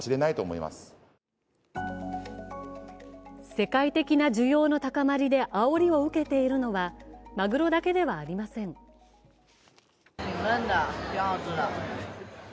世界的な需要の高まりであおりを受けているのは、まぐろだけではありません。